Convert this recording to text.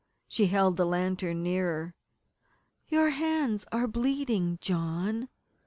She held the lantern nearer. "Your hands are bleeding, John!"